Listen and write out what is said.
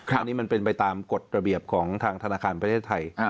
อันนี้มันเป็นไปตามกฎระเบียบของทางธนาคารประเทศไทย